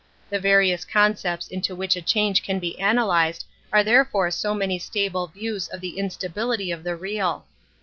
The various concepts into which a change can be analyzed are therefore so many stable views of the in stability of the real.